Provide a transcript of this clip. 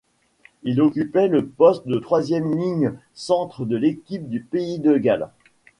Il occupait le poste de troisième ligne centre de l'équipe du Pays de Galles.